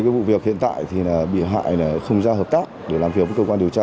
cái vụ việc hiện tại thì bị hại không ra hợp tác để làm việc với cơ quan điều tra